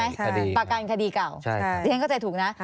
คดีประกันคดีเก่าดิฉันเข้าใจถูกนะ